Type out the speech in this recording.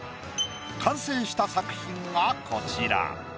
完成した作品がこちら。